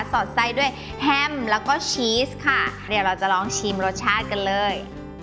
สอดไส้ด้วยแฮมแล้วก็ชีสค่ะเดี๋ยวเราจะลองชิมรสชาติกันเลย